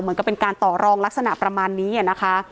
เหมือนกับเป็นการต่อรองลักษณะประมาณนี้นะคะ